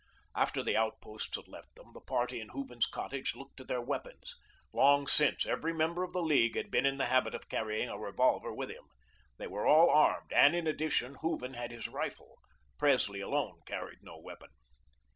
After the outposts had left them, the party in Hooven's cottage looked to their weapons. Long since, every member of the League had been in the habit of carrying his revolver with him. They were all armed and, in addition, Hooven had his rifle. Presley alone carried no weapon.